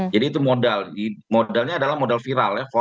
jadi itu modal modalnya adalah modal viral ya